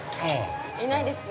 いないですね。